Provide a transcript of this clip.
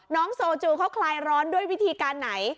น้องโซจูเขาคลายร้อนด้วยวิธีการไหน